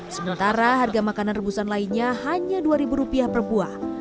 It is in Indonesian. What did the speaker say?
sementara harga makanan rebusan lainnya hanya rp dua per buah